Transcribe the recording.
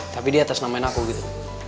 tapi dia atas namain aku gitu